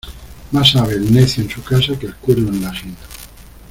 Más sabe el necio en su casa que el cuerdo en la ajena.